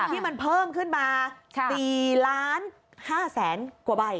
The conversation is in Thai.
ที่มันเพิ่มขึ้นมา๔๕๐๐๐กว่าใบ